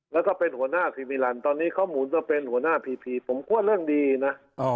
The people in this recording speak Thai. แล้วก็เป็นหัวหน้าทีวีรันตอนนี้เขาหมุนมาเป็นหัวหน้าพีพีผมกลัวเรื่องดีนะ